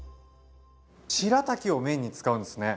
しらたきを麺に使うんですね。